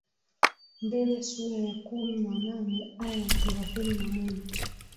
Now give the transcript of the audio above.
mbele sura ya kumi na nane aya ya thelathini na moja